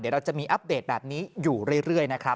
เดี๋ยวเราจะมีอัปเดตแบบนี้อยู่เรื่อยนะครับ